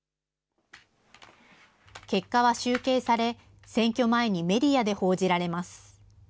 結果は集計され、選挙前にメディアで報じられます。